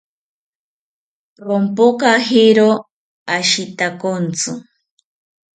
Rompojakiro ashitakontzi